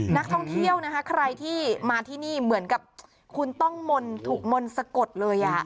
นักท่องเที่ยวนะคะใครที่มาที่นี่เหมือนกับคุณต้องมนต์ถูกมนต์สะกดเลย